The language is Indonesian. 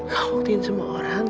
kamu buktiin semua orang